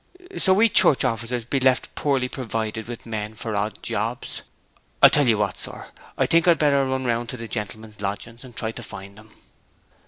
So we church officers be left poorly provided with men for odd jobs. I'll tell ye what, sir; I think I'd better run round to the gentleman's lodgings, and try to find him?'